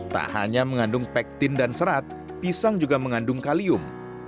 tak hanya mengandung pektin dan serat pisang juga mengandung kalium